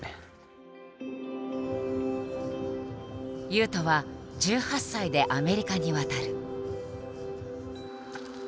雄斗は１８歳でアメリカに渡る。